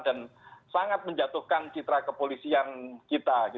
dan sangat menjatuhkan citra kepolisian kita